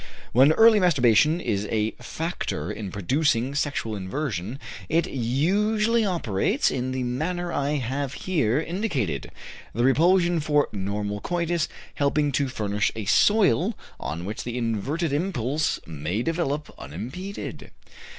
When early masturbation is a factor in producing sexual inversion it usually operates in the manner I have here indicated, the repulsion for normal coitus helping to furnish a soil on which the inverted impulse may develop unimpeded.